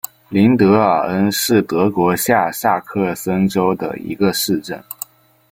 林德尔恩是德国下萨克森州的一个市镇。